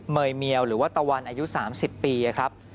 เมยเมียวหรือว่าตะวันอายุ๓๐ปีครับ